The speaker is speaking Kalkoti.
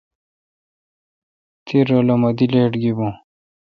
تی رو لہ می دی لیٹ گیبوں۔